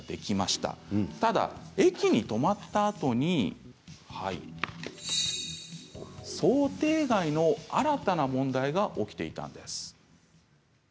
ただ駅に止まったあとに想定外の新たな問題が起きていたんです。